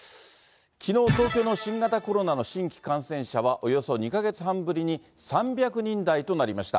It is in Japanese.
きのう、東京の新型コロナの新規感染者はおよそ２か月半ぶりに、３００人台となりました。